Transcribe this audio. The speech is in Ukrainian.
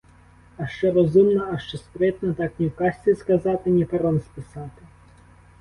А що розумна, а що спритна, так ні в казці сказати, ні пером списати!